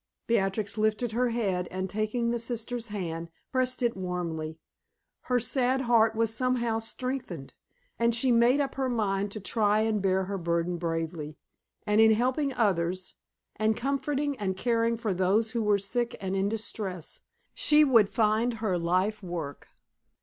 Beatrix lifted her head and taking the sister's hand, pressed it warmly. Her sad heart was somehow strengthened, and she made up her mind to try and bear her burden bravely, and in helping others, and comforting and caring for those who were sick and in distress, she would find her life work.